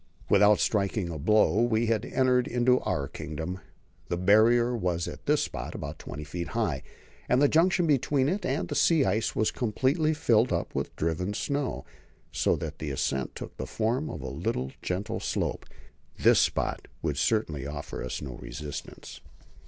Without striking a blow we had entered into our kingdom. The Barrier was at this spot about 20 feet high, and the junction between it and the sea ice was completely filled up with driven snow, so that the ascent took the form of a little, gentle slope. This spot would certainly offer us no resistance.